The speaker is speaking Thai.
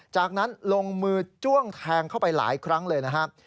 จากนั้นลงมือจ้วงแทงเข้าไปหลายครั้งเลยนะครับ